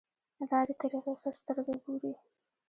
لارې طریقې ښه سترګه ګوري.